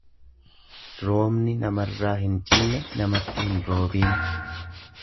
Roobni namarraa hin cinne namatti hin roobiin.